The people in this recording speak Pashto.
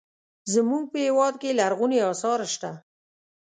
زموږ په هېواد کې لرغوني اثار شته.